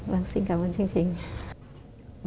vâng xin cảm ơn chương trình